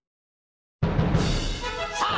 さあ！